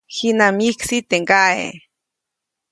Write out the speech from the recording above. Jiʼnamuŋ myiksi teʼ kaʼe.